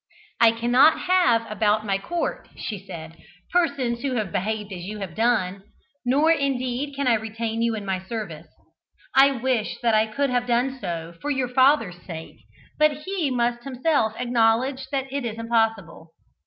"I cannot have about my court," she said, "persons who have behaved as you have done, nor indeed can I retain you in my service. I wish that I could have done so for your father's sake, but he must himself acknowledge that it is impossible.